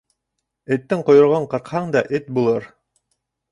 Эттең ҡойроғон ҡырҡһаң да эт булыр.